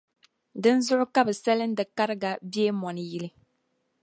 Dinzuɣu ka bɛ salindi Kariga Beemoni yili.